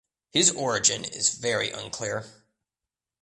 His origin is very unclear.